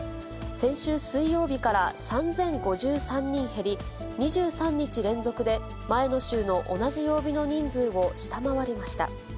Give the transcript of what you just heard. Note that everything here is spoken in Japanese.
先週水曜日から３０５３人減り、２３日連続で前の週の同じ曜日の人数を下回りました。